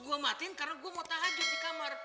gue mau nganjurin karena gue mau tahan aja di kamar